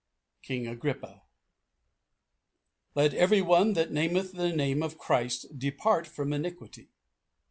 King Agrippa. "Let every one that nameth the name of Christ depart from iniquity."